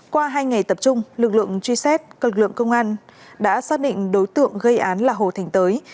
qua hai ngày tập trung lực lượng truy xét cơ lực lượng công an đã xác định đối tượng gây án là hồ thành tới